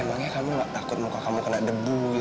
emangnya kamu gak takut muka kamu kena debu gitu